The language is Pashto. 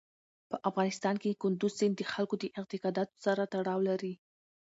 په افغانستان کې کندز سیند د خلکو د اعتقاداتو سره تړاو لري.